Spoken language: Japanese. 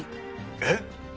えっ！？